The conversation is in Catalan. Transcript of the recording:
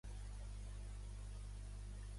La ira divina ha colpit l'assassí.